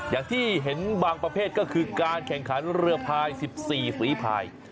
อย่างที่เห็นบางประเภทก็คือการแข่งขันเรือพาย๑๔ฝีภาย